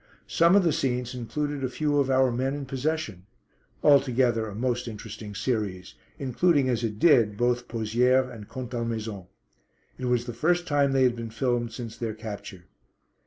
Some of the scenes included a few of our men in possession. Altogether a most interesting series, including as it did both Pozières and Contalmaison. It was the first time they had been filmed since their capture.